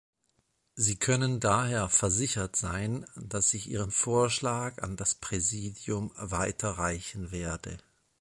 Sie können daher versichert sein, dass ich Ihren Vorschlag an das Präsidium weiterreichen werde.